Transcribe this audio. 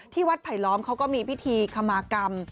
วัดไผลล้อมเขาก็มีพิธีขมากรรม